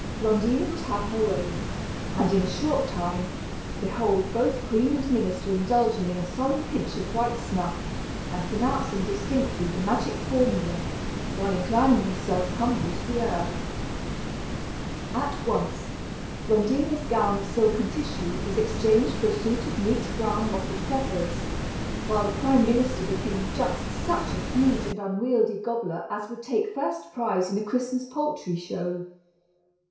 Blondina would have her way; and, in a short time, behold both queen and minister indulging in a solemn pinch of white snuff, and pronouncing distinctly the magic formula, while inclining themselves humbly to the earth! At once, Blondina's gown of silken tissue was exchanged for a suit of neat brown mottled feathers, while the prime minister became just such a huge and unwieldy gobbler as would take first prize in a Christmas poultry show!